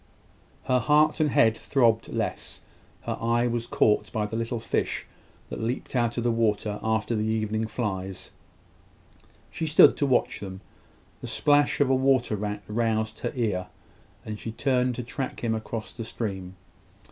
Her heart and head throbbed less. Her eye was caught by the little fish that leaped out of the water after the evening flies: she stood to watch them. The splash of a water rat roused her ear, and she turned to track him across the stream.